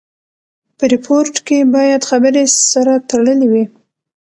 په ریپورټ کښي باید خبري سره تړلې وي.